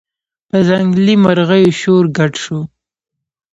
په ځنګلي مرغیو شور ګډ شو